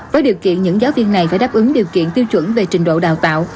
với điều kiện những giáo viên này phải đáp ứng điều kiện tiêu chuẩn về trình độ đào tạo